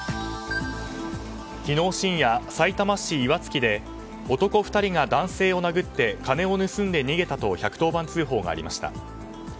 昨日深夜、さいたま市岩槻で男２人が男性を殴って金を盗んで逃げたと１１０番通報がありました。